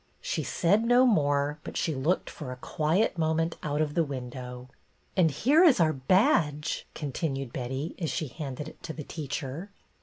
She said no more, but she looked for a quiet moment out of the window. " And here is our badge !" continued Betty, as she handed it to the teacher.